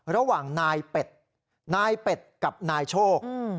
ระหว่างนายเป็ดนายเป็ดกับนายโชค